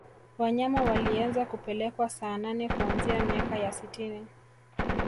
wanyama walianza kupelekwa saanane kuanzia miaka ya sitini